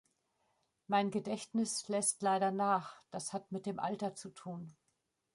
Mein Gedächtnis lässt leider nach das hat mit dem Alter zu tun.